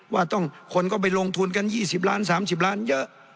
คนก็ไปลงทุนกัน๒๐ล้าน๓๐ล้านเยอะ